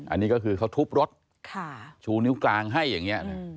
อันนี้ก็คือเขาทุบรถชูนิ้วกลางให้อย่างนี้นะ